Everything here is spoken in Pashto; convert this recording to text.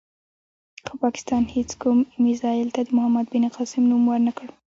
خو پاکستان هېڅ کوم میزایل ته د محمد بن قاسم نوم ور نه کړ.